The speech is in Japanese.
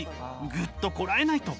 グッと、こらえないと。